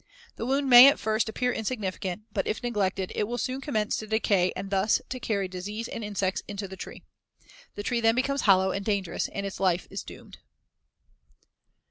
The wound may, at first, appear insignificant, but, if neglected, it will soon commence to decay and thus to carry disease and insects into the tree. The tree then becomes hollow and dangerous and its life is doomed.